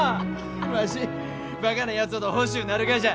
わしバカなやつほど欲しゅうなるがじゃ。